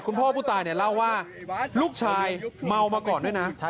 พ่อผู้ตายเนี่ยเล่าว่าลูกชายเมามาก่อนด้วยนะ